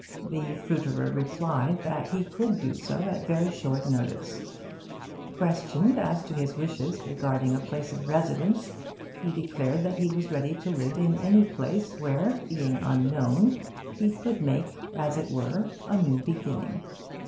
The fruiterer replied that he could do so at very short notice. Questioned as to his wishes regarding a place of residence, he declared that he was ready to live in any place where, being unknown, he could make, as it were, a new beginning.